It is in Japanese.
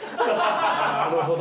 なるほど。